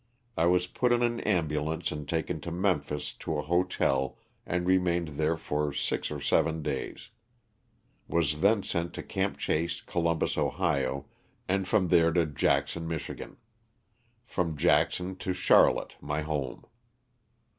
I was put in an ambulance and taken to Memphis to a hotel and remained there for six or seven days. Was then sent to ''Camp Chase," Columbus, Ohio, and from there to Jackson, Mich. From Jackson to Char lotte, my home.